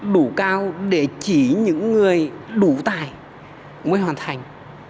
đủ cao để chỉ những người đủ tài mới hoàn thành